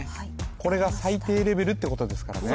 これが最低レベルってことですからね